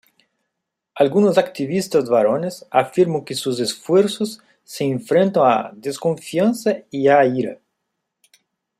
Algunos activistas varones afirman que sus esfuerzos se enfrentan a desconfianza y a ira.